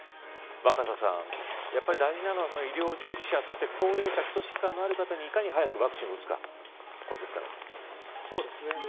若狭さん、やっぱり大事なのは医療従事者、そして高齢者、基礎疾患のある方にいかに早くワクチンを打つかですかね。